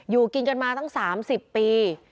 อยู่กินกันมาตั้ง๓๐ปี